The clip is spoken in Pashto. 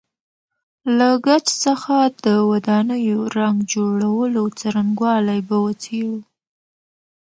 له ګچ څخه د ودانیو رنګ جوړولو څرنګوالی به وڅېړو.